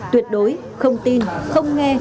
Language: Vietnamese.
tuyệt đối không tin không nghe